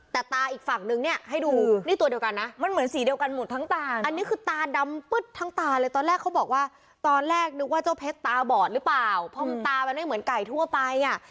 แต่ตาอีกฝั่งนึงเนี่ยให้ดูนี่ตัวเดียวกันนะมันเหมือนสีเดียวกันหมดทั้งตาอันนี้คือตาดำปึ๊ดทั้งตาเลยตอนแรกเขาบอกว่าตอนแรกนึกว่าเจ้าเพชรตาบอดหรือเปล่าเพราะตามันไม่เหมือนไก่ทั่วไปอ่ะ